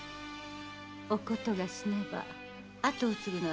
お琴が死ねば跡を継ぐのはこの私。